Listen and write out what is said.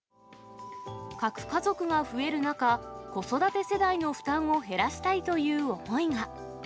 核家族が増える中、子育て世代の負担を減らしたいという思いが。